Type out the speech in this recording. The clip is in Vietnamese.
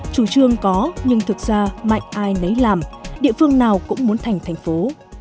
chủ trương có nhưng thực ra mạnh ai nấy làm địa phương nào cũng muốn thành thành phố